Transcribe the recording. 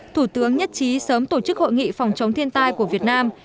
thủ tướng nhất trí sớm tổ chức hội nghị phòng chống thiên tai của việt nam